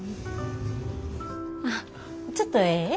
あっちょっとええ？